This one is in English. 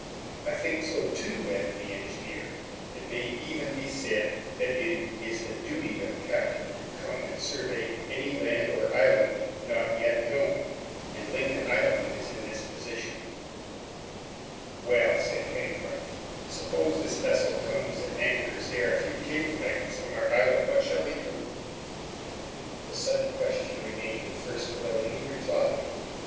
"I think so too," added the engineer. "It may even be said that it is the duty of a captain to come and survey any land or island not yet known, and Lincoln Island is in this position." "Well," said Pencroft, "suppose this vessel comes and anchors there a few cables lengths from our island, what shall we do?" This sudden question remained at first without any reply.